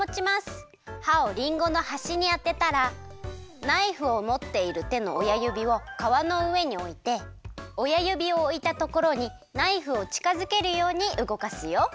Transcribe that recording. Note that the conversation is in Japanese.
はをりんごのはしにあてたらナイフをもっているてのおやゆびをかわのうえにおいておやゆびをおいたところにナイフをちかづけるようにうごかすよ。